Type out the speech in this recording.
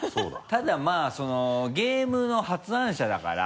ただゲームの発案者だから。